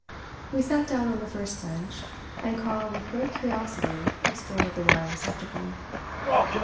We sat down on the first bench, and Karl with great curiosity explored the wire receptacle.